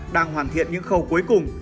đang hoàn thiện những khâu cuối cùng